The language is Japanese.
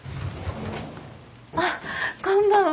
あっこんばんは。